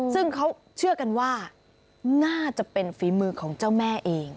ซึ่งเขาเชื่อกันว่าน่าจะเป็นฝีมือของเจ้าแม่เอง